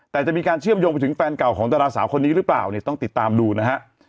แต่จะมีการเชื่อมโยงไปถึงแฟนเก่าของดาราสาวคนนี้หรือเปล่าเนี่ยต้องติดตามดูนะฮะ